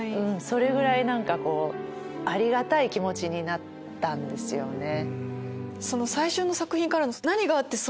それぐらいありがたい気持ちになったんですよね。